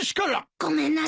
ごめんなさい。